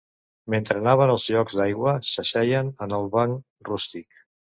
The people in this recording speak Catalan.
Mentre anaven els jocs d'aigua s'asseien en el banc rústic